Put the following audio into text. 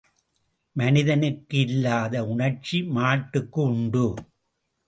மனிதனுக்கு இல்லாத உணர்ச்சி மாட்டுக்கு உண்டு.